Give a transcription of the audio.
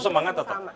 semangat dan film